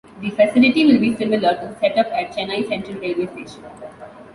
The facility will be similar to the setup at Chennai Central railway station.